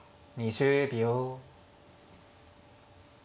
２０秒。